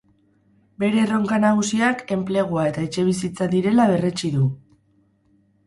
Bere erronka nagusiak enplegua eta etxebizitza direla berretsi du.